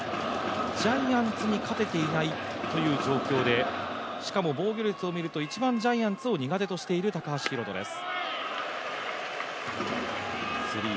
ジャイアンツに勝てていないという状況でしかも防御率を見ると一番ジャイアンツを苦手としている高橋宏斗です。